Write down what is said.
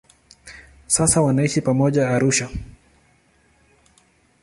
Sasa wanaishi pamoja Arusha.